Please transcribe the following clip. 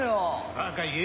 バカ言え！